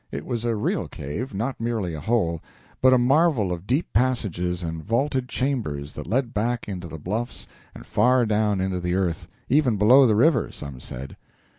It was a real cave, not merely a hole, but a marvel of deep passages and vaulted chambers that led back into the bluffs and far down into the earth, even below the river, some said.